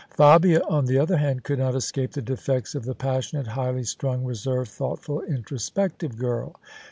Fabia, on the other hand, could not escape the defects of the passionate, highly strung, reserved, thoughtful, intro spective girl.